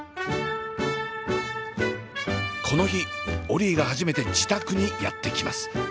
この日オリィが初めて自宅にやって来ます。